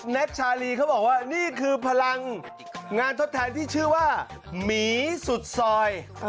ชาลีเขาบอกว่านี่คือพลังงานทดแทนที่ชื่อว่าหมีสุดซอย